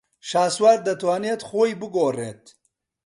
شاسوار دەتوانێت خۆی بگۆڕێت.